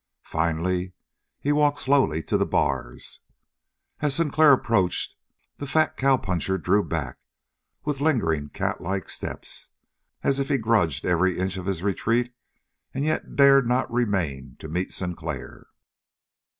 Finally he walked slowly to the bars. As Sinclair approached, the fat cowpuncher drew back, with lingering catlike steps, as if he grudged every inch of his retreat and yet dared not remain to meet Sinclair.